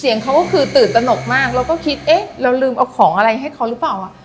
เสียงเขาก็คือตื่นตนกมากเราก็คิดเอ๊ะเราลืมเอาของอะไรให้เขาหรือเปล่าอ่ะ